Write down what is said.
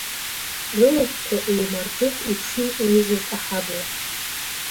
Рылахьқәа еимарџахә иԥшын еизаз аҳабла.